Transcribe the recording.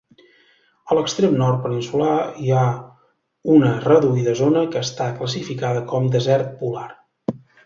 A l'extrem nord peninsular hi ha una reduïda zona que està classificada com desert polar.